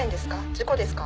事故ですか？